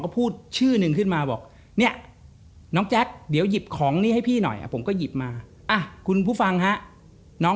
ผีไว้ก่อน